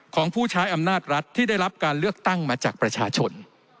ของผู้ใช้อำนาจรัฐที่ได้รับการเลือกตั้งมาจากประชาชน